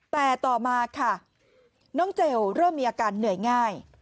แต่ต่อมาค่ะน้องเจลเริ่มมีอาการเหนื่อยง่าย